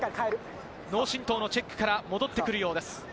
脳震とうのチェックから戻ってくるようです。